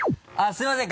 すいません。